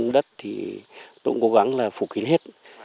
đất thì tôi cũng cố gắng là phụ kín hết